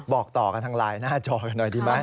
บอกต่อกันทางไลน์หน้าจอกันหน่อยดีไหม